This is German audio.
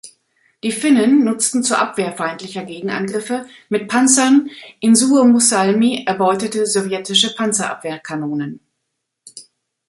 Die Finnen nutzten zur Abwehr feindlicher Gegenangriffe mit Panzern in Suomussalmi erbeutete sowjetische Panzerabwehrkanonen.